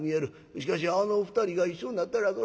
しかしあの２人が一緒になったらそらええ